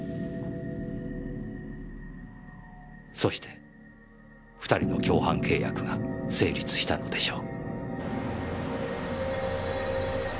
そして２人の共犯契約が成立したのでしょう。